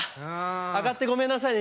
上がってごめんなさいね